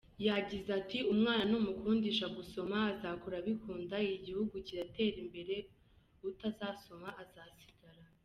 Yagize ati “Umwana numukundisha gusoma azakura abikunda, Igihugu kiratera imbere utazasoma azasigara.